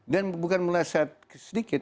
dan bukan meleset sedikit